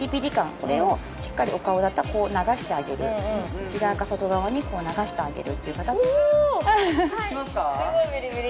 これをしっかりお顔だったらこう流してあげる内側から外側にこう流してあげるっていう形おおすごいビリビリ